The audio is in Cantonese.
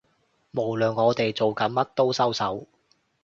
無論我哋做緊乜都收手